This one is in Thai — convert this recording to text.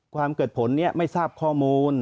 ความเกิดผลเนี่ยไม่ทราบข้อมูล